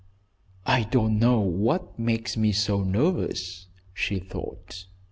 "I don't know what makes me so nervous," she thought.